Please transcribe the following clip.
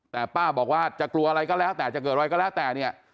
แต่ป้าบอกว่าจะกลัวอะไรก็แล้วแต่จะเกิดอะไรก็แล้วแต่เนี่ย